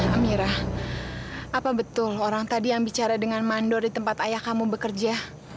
amira apa betul orang tadi yang bicara dengan mandor di tempat ayah kamu bekerja